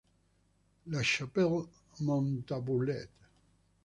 La Chapelle-Montabourlet